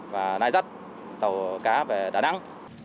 và lai dắt tàu cá về đà nẵng